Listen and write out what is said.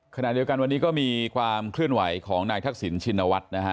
ขณะเดียวกันวันนี้ก็มีความเคลื่อนไหวของนายทักษิณชินวัฒน์นะฮะ